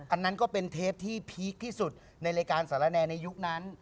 อันนั้นก็เป็นเทปที่พีคที่สุดในรายการสารแนในยุคนั้น